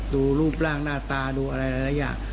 ดูรูปร่างหน้าตาดูอะไรหลายอย่าง